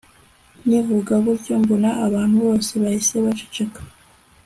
nkivuga gutyo mbona abantu bose bahise baceceka